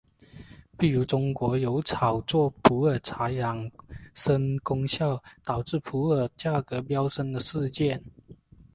譬如中国有炒作普洱茶养生功效导致普洱价格飙升的事件。